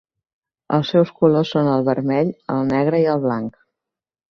Els seus colors són el vermell, el negre i el blanc.